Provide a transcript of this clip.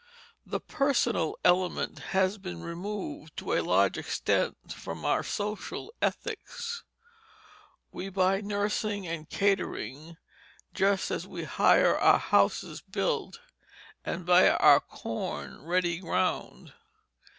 The personal element has been removed to a large extent from our social ethics. We buy nursing and catering just as we hire our houses built and buy our corn ready ground.